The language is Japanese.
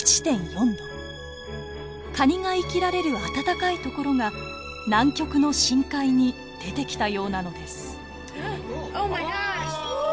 カニが生きられる暖かい所が南極の深海に出てきたようなのです。